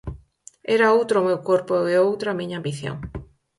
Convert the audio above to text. Era outro o meu corpo e outra a miña ambición.